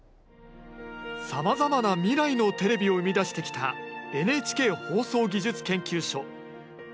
さまざまな未来のテレビを生み出してきたＮＨＫ放送技術研究所。